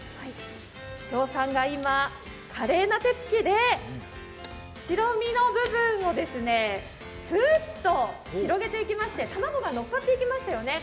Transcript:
翔さんが今、華麗な手つきで白身の部分をすっと広げていきまして卵がのっかっていきましたよね。